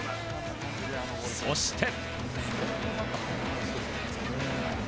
そして。